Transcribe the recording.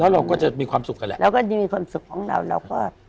เราก็จะมีความสุขกันแหละเราก็จะมีความสุขของเราเราก็